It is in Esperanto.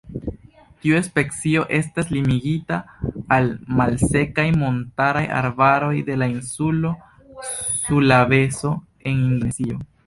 Tiu specio estas limigita al malsekaj montaraj arbaroj de la insulo Sulaveso en Indonezio.